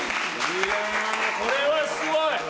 これはすごい。